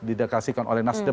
didekerasikan oleh nasdem